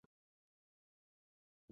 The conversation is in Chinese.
顺天府乡试第七十六名。